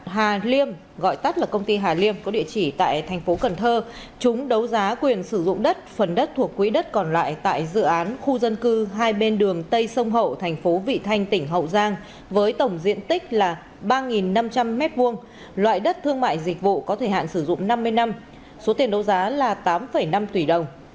hà liêm gọi tắt là công ty hà liêm có địa chỉ tại thành phố cần thơ chúng đấu giá quyền sử dụng đất phần đất thuộc quỹ đất còn lại tại dự án khu dân cư hai bên đường tây sông hậu thành phố vị thanh tỉnh hậu giang với tổng diện tích là ba năm trăm linh m hai loại đất thương mại dịch vụ có thể hạn sử dụng năm mươi năm số tiền đấu giá là tám năm tỷ đồng